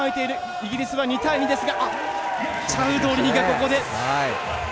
イギリスは２対２ですがあっチャウドリーがここで。